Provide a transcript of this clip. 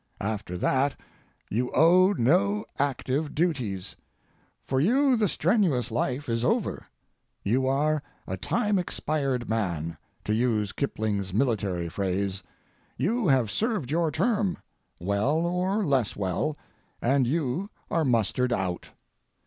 After that, you owe no active duties; for you the strenuous life is over. You are a time expired man, to use Kipling's military phrase: You have served your term, well or less well, and you are mustered out.